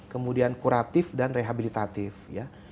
kemudian kuratif dan rehabilitatif ya